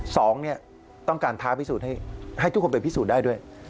สองเนี่ยต้องการท้าพิสูจน์ให้ทุกคนไปพิสูจน์ได้ด้วย